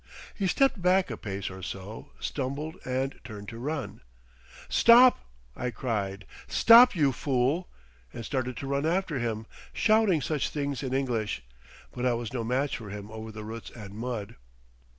He stepped back a pace or so, stumbled and turned to run. "Stop," I cried; "stop, you fool!" and started to run after him, shouting such things in English. But I was no match for him over the roots and mud.